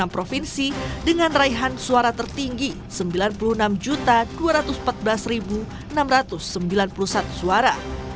enam provinsi dengan raihan suara tertinggi sembilan puluh enam dua ratus empat belas enam ratus sembilan puluh satu suara